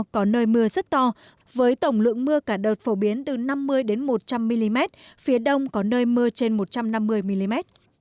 có nơi mưa rất to với tổng lượng mưa cả đợt phổ biến từ năm mươi một trăm linh mm phía đông có nơi mưa trên một trăm năm mươi mm